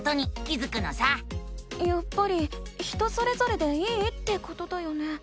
やっぱり人それぞれでいいってことだよね？